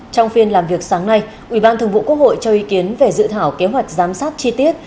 trong phiên làm việc sáng nay ubthqh cho ý kiến về dự thảo kế hoạch giám sát chi tiết